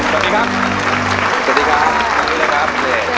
สวัสดีครับขอบคุณครับ